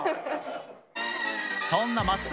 そんなまっすー